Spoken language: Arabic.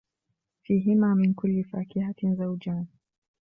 فِيهِمَا مِن كُلِّ فَاكِهَةٍ زَوْجَانِ